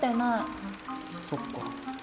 そっか。